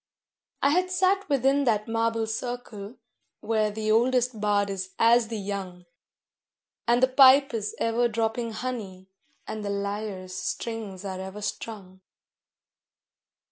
I had sat within that marble circle where the oldest bard is as the young, And the pipe is ever dropping honey, and the lyre's strings are ever strung.